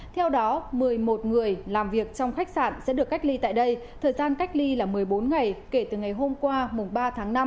theo đó một mươi một người làm việc trong khách sạn sẽ được cách ly tại đây thời gian cách ly là một mươi bốn ngày kể từ ngày hôm qua mùng ba tháng năm